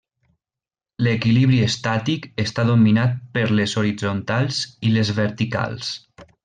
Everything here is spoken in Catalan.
L'equilibri estàtic està dominat per les horitzontals i les verticals.